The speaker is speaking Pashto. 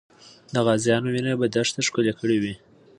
د غازیانو وینه به دښته ښکلې کړې وي.